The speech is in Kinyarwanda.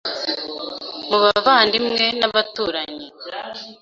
mu bavandimwe n’abaturanyi.